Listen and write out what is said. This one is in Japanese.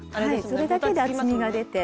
それだけで厚みが出て。